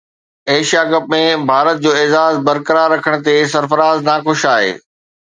Asia Cup ۾ Bharat جو اعزاز برقرار رکڻ تي سرفراز ناخوش آهي